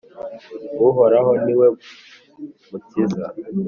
uhoraho ni we mukiza!